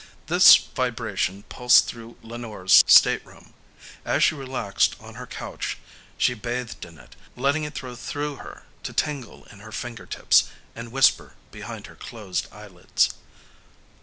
This vibration pulsed through Lenore's stateroom. As she relaxed on her couch, she bathed in it, letting it flow through her to tingle in her fingertips and whisper behind her closed eyelids.